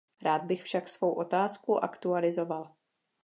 Rád bych však svou otázku aktualizoval.